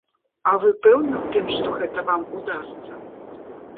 А вы пэўны ў тым, што гэта вам удасца?